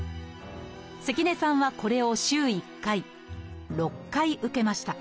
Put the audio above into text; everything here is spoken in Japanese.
関根さんはこれを週１回６回受けました。